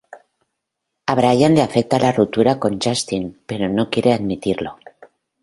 A Brian le afecta la ruptura con Justin, pero no quiere admitirlo.